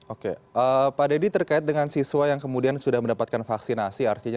oke pak deddy terkait dengan siswa yang kemudian sudah mendapatkan vaksinasi